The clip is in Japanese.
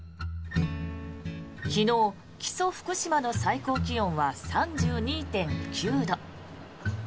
昨日、木曽福島の最高気温は３２．９度。